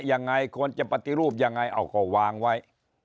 ยังไงควรจะปฏิรูปยังไงเอาก็วางไว้